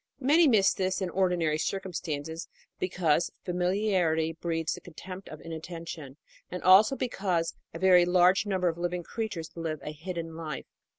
Many miss this in ordinary circumstances because familiarity breeds the contempt of inatten tion, and also because a very large number of living creatures live a hidden life.